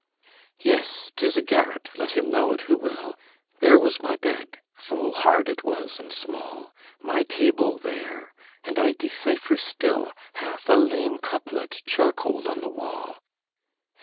Yes; 'tis a garret let him know't who will There was my bed full hard it was and small; My table there and I decipher still Half a lame couplet charcoaled on the wall.